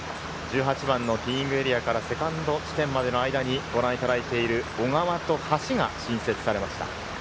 １８番のティーイングエリアからセカンド地点までの間にご覧いただいている小川と橋が新設されました。